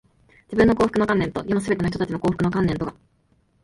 自分の幸福の観念と、世のすべての人たちの幸福の観念とが、